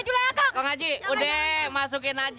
udah dong udah dong